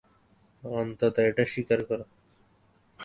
অন্তত এটা স্বীকার করো।